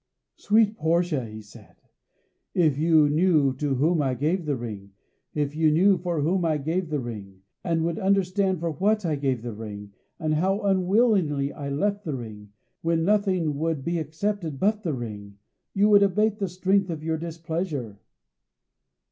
"Sweet Portia," he said, "if you knew to whom I gave the ring, if you knew for whom I gave the ring, and would understand for what I gave the ring, and how unwillingly I left the ring, when nothing would be accepted but the ring, you would abate the strength of your displeasure."